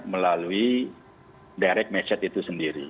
melalui direct message itu sendiri